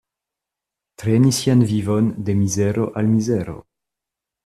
Treni sian vivon de mizero al mizero.